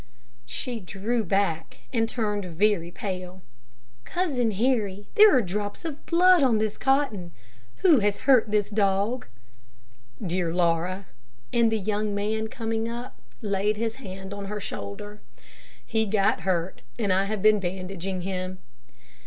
She drew back, and turned very pale. "Cousin Harry, there are drops of blood on this cotton. Who has hurt this dog?" "Dear Laura," and the young man coming up, laid his hand on her shoulder, "he got hurt, and I have been bandaging him."